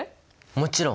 もちろん！